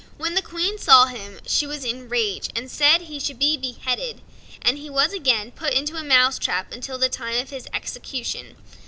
When the Queen saw him she was in a rage, and said he should be beheaded; and he was again put into a mouse trap until the time of his execution.